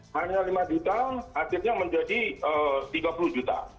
hanya lima juta akhirnya menjadi tiga puluh juta